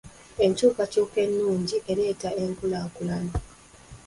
Enkyukakyuka ennungi ereeta enkulaakulana.